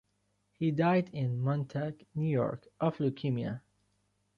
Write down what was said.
He died in Montauk, New York of leukemia.